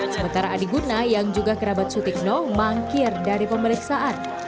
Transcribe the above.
sementara adi guna yang juga kerabat sutikno mangkir dari pemeriksaan